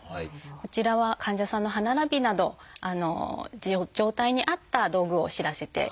こちらは患者さんの歯並びなど状態に合った道具を知らせていきます。